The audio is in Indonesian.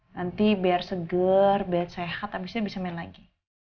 nanti biar seger biar sehat habisnya bisa main lagi